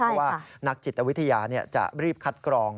เพราะว่านักจิตวิทยาจะรีบคัดกรอง